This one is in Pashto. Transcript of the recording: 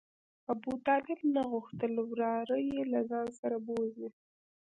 ابوطالب نه غوښتل وراره یې له ځان سره بوځي.